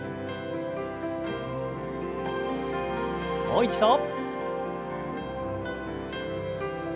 もう一度。